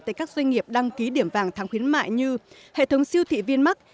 tại các doanh nghiệp đăng ký điểm vàng tháng khuyến mại như hệ thống siêu thị vinmark